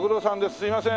すいません。